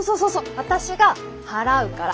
私が払うから。